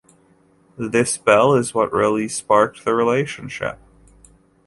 This bell is what really sparked the relationship.